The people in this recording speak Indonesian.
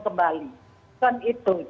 kembali bukan itu